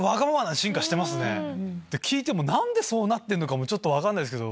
聞いても何でそうなってんのかちょっと分かんないっすけど。